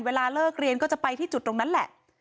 เวลาเลิกเรียนก็จะไปที่จุดตรงนั้นแหละ